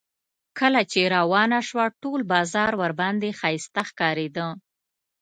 کله چې روانه شوه ټول بازار ورباندې ښایسته ښکارېده.